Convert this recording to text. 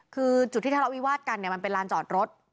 คือจุดที่ทะเลาะวิวาสกันเนี่ยมันเป็นลานจอดรถ